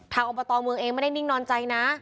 อบตเมืองเองไม่ได้นิ่งนอนใจนะ